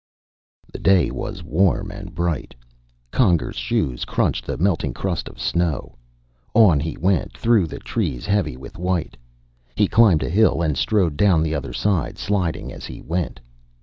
The day was warm and bright. Conger's shoes crunched the melting crust of snow. On he went, through the trees heavy with white. He climbed a hill and strode down the other side, sliding as he went.